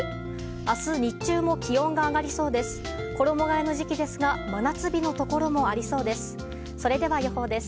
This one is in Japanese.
明日日中も気温が上がりそうです。